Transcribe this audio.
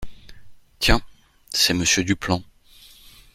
Tiens, c’est Monsieur Duplan.